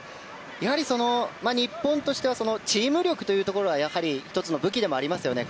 やはり、日本としてはチーム力というのが１つの武器でもありますよね